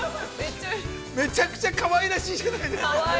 ◆めちゃくちゃ、かわいらしいじゃないですか。